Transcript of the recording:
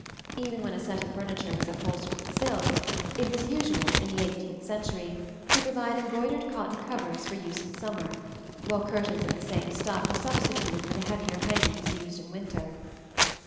Even when a set of furniture was upholstered with silk, it was usual, in the eighteenth century, to provide embroidered cotton covers for use in summer, while curtains of the same stuff were substituted for the heavier hangings used in winter.